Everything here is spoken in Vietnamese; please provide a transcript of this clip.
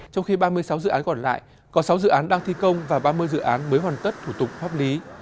với sáu dự án còn lại có sáu dự án đang thi công và ba mươi dự án mới hoàn tất thủ tục pháp lý